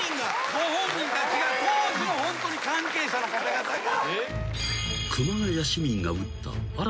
ご本人たちが当時のホントに関係者の方々が。